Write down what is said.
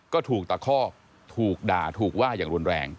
ก็ถูกตะคอกถูกด่าถูกว่าอย่างรุนแรง